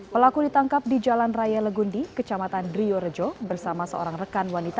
pelaku ditangkap di jalan raya legundi kecamatan driorejo bersama seorang rekan wanita